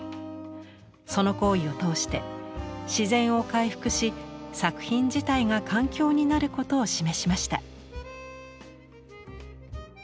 その行為を通して自然を回復し作品自体が環境になることを示しました。